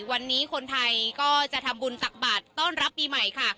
วันนี้คนไทยก็จะทำบุญตักบาทต้อนรับปีใหม่ค่ะ